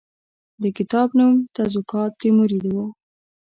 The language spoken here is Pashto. د کتاب نوم تزوکات تیموري وو.